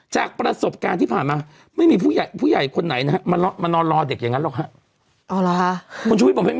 จากประสบการณ์ที่ผ่านมาไม่มีผู้ใหญ่คนไหนนะฮะมานอนรอเด็กอย่างนั้นหรอกฮะ